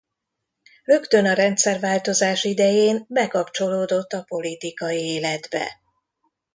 Rögtön a rendszerváltozás idején bekapcsolódott a politikai életbe.